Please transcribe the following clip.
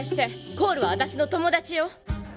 コールは私の友達よ。